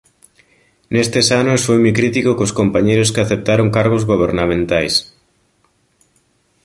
Nestes anos foi moi crítico cos compañeiros que aceptaron cargos gobernamentais.